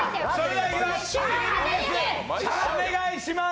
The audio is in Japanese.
お願いします。